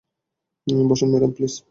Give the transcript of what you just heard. বসুন madam, please বসুন।